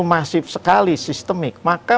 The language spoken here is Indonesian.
masif sekali sistemik maka